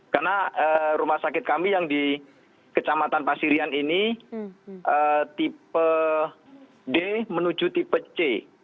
karena rumah sakit kami yang di kecamatan pasirian ini tipe d menuju tipe c